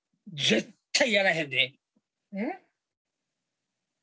絶対やらへんで！え？